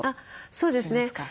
そうですね。